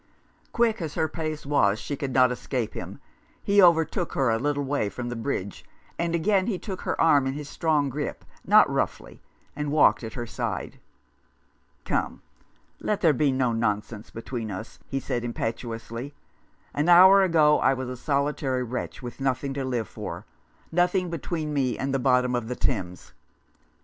Quick as her pace was she could not escape him. He overtook her a little way from the bridge, and again he took her arm in his strong grip, not roughly, and walked at her side. " Come, let there be no nonsense between us," he said impetuously. " An hour ago I was a solitary wretch, with nothing to live for, nothing between me and the bottom of the Thames.